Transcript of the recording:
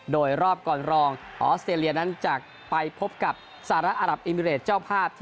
โดยรอบกรรลองออสเตรเลียนั้นจะไปพบกับสาระอัลหับอิมรรเอศเจ้าภาพ